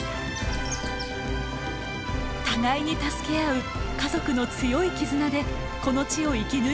互いに助け合う家族の強い絆でこの地を生きぬいてきました。